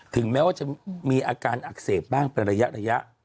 ถึงแม้ว่าจะมีอาการอักเสบบ้างเป็นระยะ